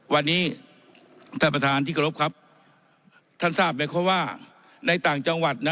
วันนี้ท่านประธานที่เคารพครับท่านทราบไหมครับว่าในต่างจังหวัดนะ